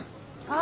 あ。